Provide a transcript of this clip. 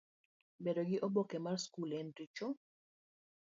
Bedo gi oboke mar skul en richo?